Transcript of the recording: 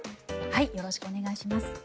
よろしくお願いします。